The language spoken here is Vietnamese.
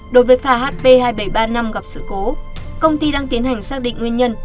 đối với phà hp hai nghìn bảy trăm ba mươi năm gặp sự cố công ty đang tiến hành xác định nguyên nhân